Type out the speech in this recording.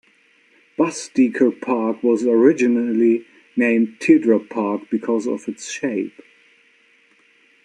Busdiecker Park was originally named Teardrop Park because of its shape.